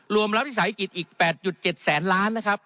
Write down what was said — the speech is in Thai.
รวมรับภิสัยกิจอีก๘๗แสนล้านนะครับ